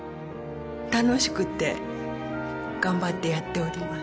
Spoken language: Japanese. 楽しくて頑張ってやっております。